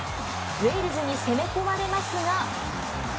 ウェールズに攻め込まれますが。